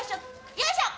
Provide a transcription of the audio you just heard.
よいしょ！